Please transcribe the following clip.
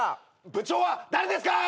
部長は誰ですか！